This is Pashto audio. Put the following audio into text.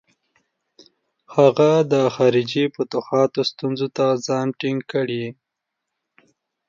هغه د خارجي فتوحاتو ستونزو ته ځان ټینګ کړي.